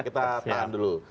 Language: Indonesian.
kita tahan dulu